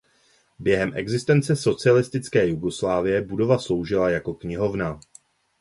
Během existence socialistické Jugoslávie budova sloužila jako knihovna.